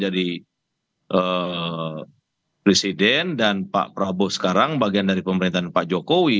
jadi kita sudah dua periode menjadi presiden dan pak prabowo sekarang bagian dari pemerintahan pak jokowi